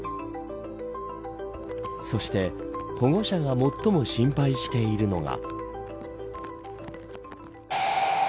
そして保護者が最も心配しているのが。